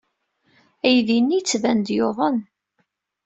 Aydi-nni yettban-d yuḍen.